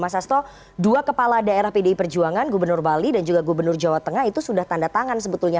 mas asto dua kepala daerah pdi perjuangan gubernur bali dan juga gubernur jawa tengah itu sudah tanda tangan sebetulnya